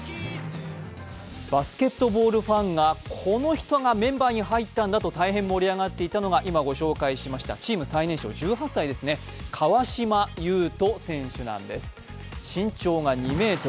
バスケットボールファンが、この人がメンバーに入ったんだと大変盛り上がっていたのが、今、ご紹介しました、チーム最年少１８歳の川島悠翔選手なんです、身長が２ｍ。